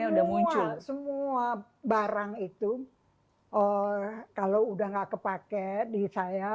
jadi semua barang itu kalau udah nggak kepake di saya